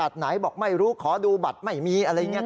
จับเรื่องค่าบินมิเตอร์ไฟฟ้า